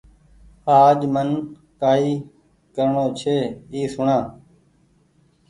آج من ڪآئي ڪرڻو ڇي اي سوڻآ